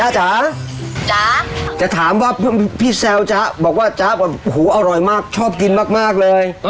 จ๋าจ๋าจะถามว่าพี่แซวจ๊ะบอกว่าจ๊ะแบบหูอร่อยมากชอบกินมากเลย